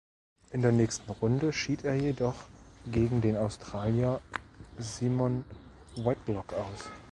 In der nächsten Runde schied er jedoch gegen den Australier Simon Whitlock aus.